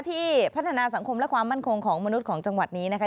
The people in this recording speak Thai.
ที่พัฒนาสังคมและความมั่นคงของมนุษย์ของจังหวัดนี้นะคะ